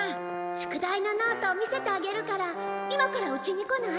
宿題のノート見せてあげるから今からうちに来ない？